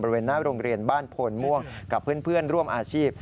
บริเวณหน้าโรงเรียนบ้านโพนม่วงกับเพื่อนร่วมอาชีพ